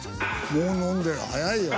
もう飲んでる早いよ。